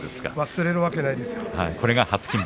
忘れるわけないですよ。